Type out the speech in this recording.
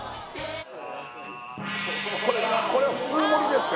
これこれは普通盛りですか？